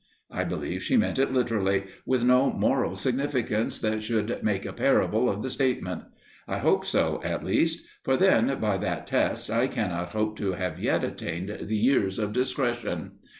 I believe she meant it literally, with no moral significance that should make a parable of the statement. I hope so, at least, for then by that test I cannot hope to have yet attained the years of discretion.